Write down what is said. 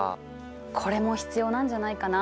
これも必要なんじゃないかな。